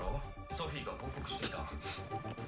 ソフィが報告してきた。